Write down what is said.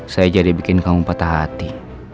saya jadi bikin kamu patah hati